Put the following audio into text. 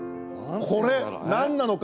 これ、何なのか！